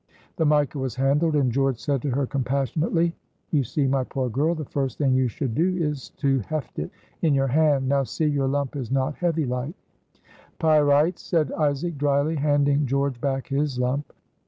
The mica was handled, and George said to her compassionately, "You see, my poor girl, the first thing you should do is to heft it in your hand. Now see, your lump is not heavy like " "Pyrites!" said Isaac, dryly, handing George back his lump.